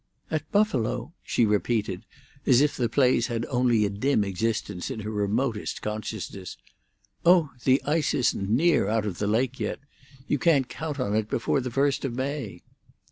"At Buffalo?" she repeated, as if the place had only a dim existence in her remotest consciousness. "Oh! The ice isn't near out of the lake yet. You can't count on it before the first of May."